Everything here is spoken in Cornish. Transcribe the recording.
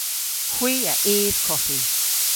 Hwi a yv koffi.